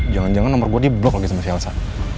jangan jangan nomor gue di blok lagi sama shelsa